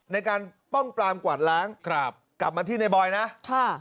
ในการป้องกวาดล้างกลับมาที่ในบอยนะ